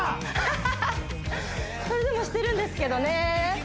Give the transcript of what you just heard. ハハハッそれでもしてるんですけどね